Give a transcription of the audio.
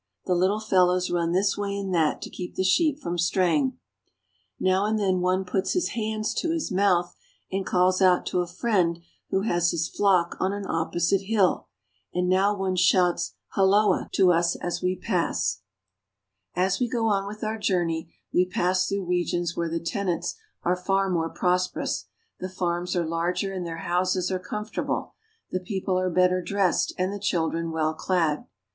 The little fel lows run this way and that to keep the sheep from straying. Now and then one puts his hands to his mouth and calls out to a friend who has his flock on an opposite hill, and now one shouts " Halloa " to us as we pass. SOUTHERN IRELAND, As we go on with our journey we pass through regions where the tenants are far more prosperous ; the farms are larger and their houses are comfortable. The people are better dressed and the children well clad.